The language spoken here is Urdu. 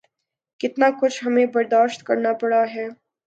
کتنا کچھ ہمیں برداشت کرنا پڑا ہے۔